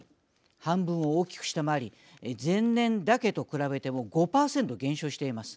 半分を大きく下回り前年だけと比べても５％減少しています。